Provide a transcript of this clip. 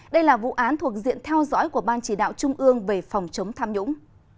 đây là vụ án thuộc diện theo dõi của ban chỉ đạo trung ương về phòng chống tham nhũng